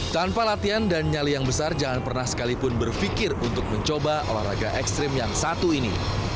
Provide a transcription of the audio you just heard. tanpa latihan dan nyali yang besar jangan pernah sekalipun berpikir untuk mencoba olahraga ekstrim yang satu ini